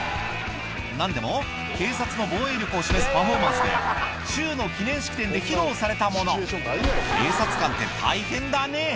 何でも警察の防衛力を示すパフォーマンスで州の記念式典で披露されたもの警察官って大変だね